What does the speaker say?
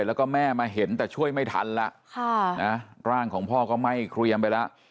แล้วก็แม่มาเห็นแต่ช่วยไม่ทันแล้วร่างของพ่อก็ไหม้เกรียมไปแล้ว